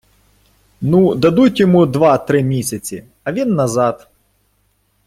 - Ну, дадуть йому два-три місяці, а він назад...